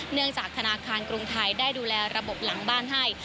จากธนาคารกรุงไทยได้ดูแลระบบหลังบ้านให้